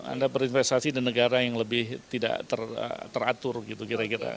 anda berinvestasi di negara yang lebih tidak teratur gitu kira kira